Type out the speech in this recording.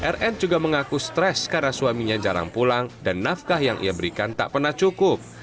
rn juga mengaku stres karena suaminya jarang pulang dan nafkah yang ia berikan tak pernah cukup